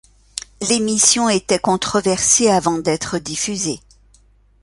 L'émission était controversée avant d'être diffusée.